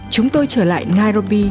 chúng tôi trở lại nairobi